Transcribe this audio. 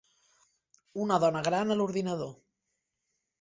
Una dona gran a l'ordinador